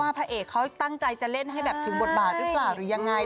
พระเอกเขาตั้งใจจะเล่นให้แบบถึงบทบาทหรือเปล่าหรือยังไง